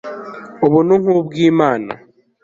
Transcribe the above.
ubuntu nk'ubw' imana